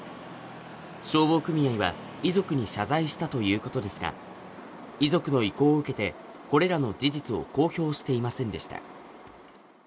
消防組合は遺族に謝罪したということですが、遺族の意向を受けて、これらの事実を公表していませんでした。